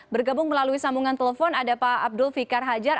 bergabung melalui sambungan telepon ada pak abdul fikar hajar